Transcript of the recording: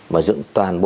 mà dựng toàn bộ